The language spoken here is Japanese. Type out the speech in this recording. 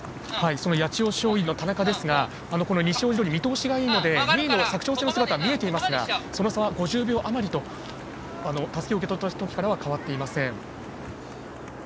その八千代松陰の田中ですが西大路通、見通しがいいので２位の佐久長聖の姿は見えていますがその差は５０秒あまりとたすきを受け取った時からは変わっていません。